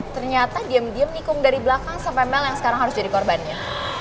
ternyata diam diam nikung dari belakang sampe mel yang sekarang harus jadi korbannya